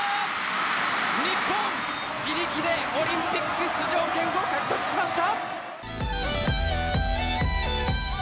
日本、自力でオリンピック出場権を獲得しました！